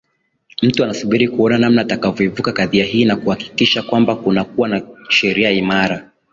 mtu anasubiri kuona namna atakavyoivuka kadhia hii na kuhakikisha kwamba kunakuwa na sheria imara